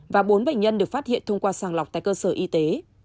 và bốn bệnh nhân được phát hiện thông qua sàng lọc tại cơ sở y tế